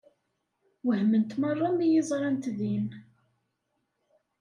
Wehment merra mi yi-ẓrant din.